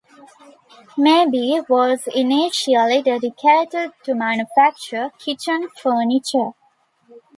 Mabe was initially dedicated to manufacture kitchen furniture.